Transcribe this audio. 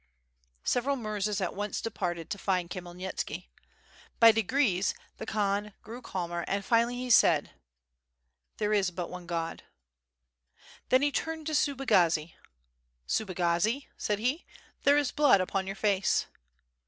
Several murzas at once departed to find KhmyelnitskL By degrees the Khan grew calmer and finally he said: "There is but one God." Then he turned to Subagazi. "Subagazi," said he, "there is blood upon your face."